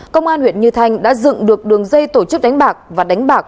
công an huyện như thanh đã dựng được đường dây tổ chức đánh bạc và đánh bạc